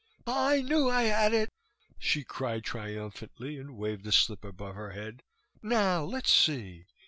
"I knew I had it," she cried triumphantly and waved the slip above her head. "Now, let's see."